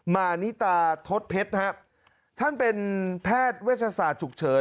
มานิตาทศเพชรครับท่านเป็นแพทย์เวชศาสตร์ฉุกเฉิน